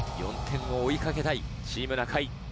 ４点を追い掛けたいチーム中居。